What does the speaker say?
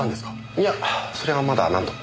いやそれはまだなんとも。